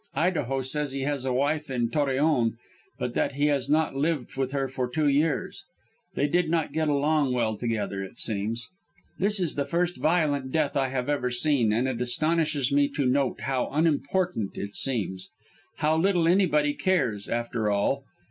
Idaho says he has a wife in Torreon, but that he has not lived with her for two years; they did not get along well together, it seems. This is the first violent death I have ever seen, and it astonishes me to note how unimportant it seems. How little anybody cares after all.